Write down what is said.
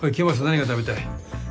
何が食べたい？